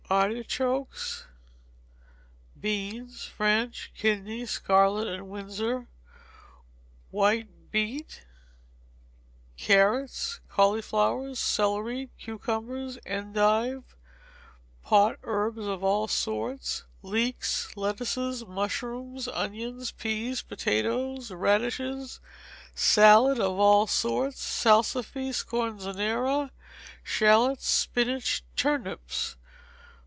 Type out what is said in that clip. Artichokes, beans (French, kidney, scarlet and Windsor), white beet, carrots, cauliflowers, celery, cucumbers, endive, pot herbs of all sorts, leeks, lettuces, mushrooms, onions, peas, potatoes, radishes, salad of all sorts, salsify, scorzonera, shalots, spinach, turnips.